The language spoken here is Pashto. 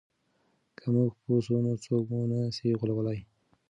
که موږ پوه سو نو څوک مو نه سي غولولای.